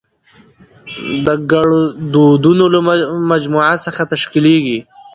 د ګړدودونو له مجموعه څخه تشکېليږي.